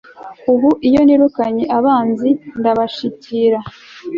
ubu iyo nirukanye abanzi, ndabashyikira